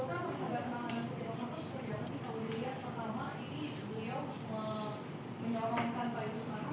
seperti apa pak wilias pertama ini beliau menolong pak idris makmur